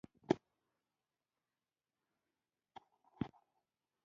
عربان حبرون ته الخلیل وایي.